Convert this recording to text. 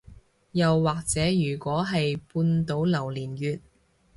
又或者如果係半島榴槤月